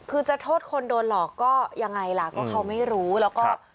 คือจะโทษคนโดนหลอกก็ยังไงล่ะก็เขาไม่รู้แล้วก็